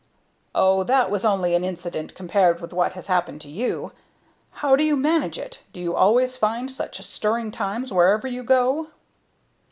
"Oh, that was only an incident compared with what has happened to you. How do you manage it? Do you always find such stirring times wherever you go?"